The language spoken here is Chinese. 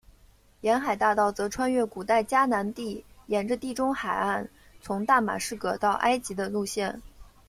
沿海大道则穿越古代迦南地沿着地中海岸从大马士革到埃及的路线。